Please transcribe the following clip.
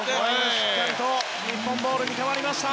しっかりと日本ボールに変わりました。